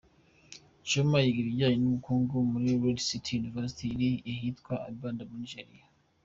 Chioma yiga ibijyanye n’ubukungu muri Lead City University iri ahitwa Ibadan muri Nigeria.